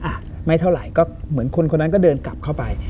อ่ะไม่เท่าไหร่ก็เหมือนคนคนนั้นก็เดินกลับเข้าไป